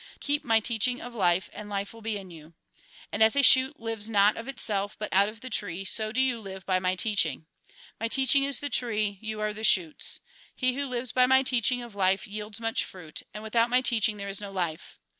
Keep my teaching of life, and life will be in you. And as a shoot lives not of itself, but out of the tree, so do you live by my teaching. My teaching is the tree, you are the shoots. He who lives by my teaching of life yields much fruit ; and without my teaching there is no life.